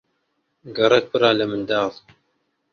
گەڕەک پڕە لە منداڵ.